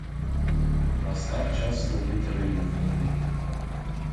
Настав час ловить рибу в морі.